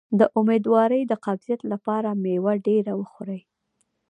د امیدوارۍ د قبضیت لپاره میوه ډیره وخورئ